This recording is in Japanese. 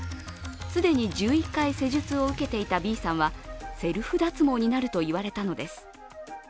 既に１１回施術を受けていたＢさんはセルフ脱毛になると言われたのです。